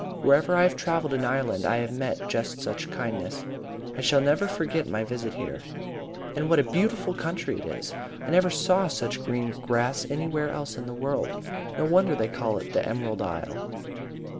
Wherever I have travelled in Ireland I have met just such kindness. I shall never forget my visit here. "And what a beautiful country it is! I never saw such green grass anywhere else in the world. No wonder it is called 'The Emerald Isle.'"